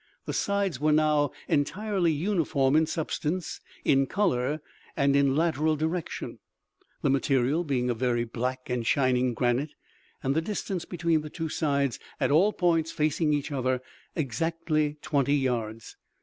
The sides were now entirely uniform in substance, in colour, and in lateral direction, the material being a very black and shining granite, and the distance between the two sides, at all points facing each other, exactly twenty yards.